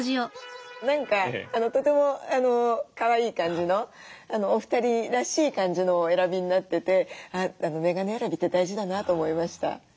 何かとてもかわいい感じのお二人らしい感じのをお選びになっててメガネ選びって大事だなと思いました。